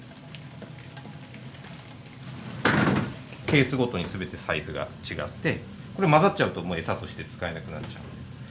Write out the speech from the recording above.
ケースごとに全てサイズが違ってこれ混ざっちゃうともう餌として使えなくなっちゃう。